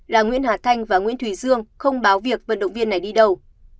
là nguyễn hà thanh và nguyễn thủy dương không báo việc vận động viên này đi đâu